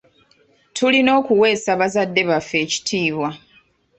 Tulina okuweesa bazadde baffe ekitiibwa.